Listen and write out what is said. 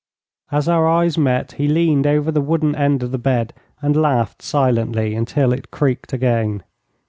As our eyes met he leaned over the wooden end of the bed and laughed silently until it creaked again.